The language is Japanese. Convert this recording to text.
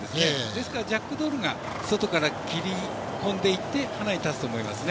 ですから、ジャックドールが外から切り込んでいってハナに立つと思いますね。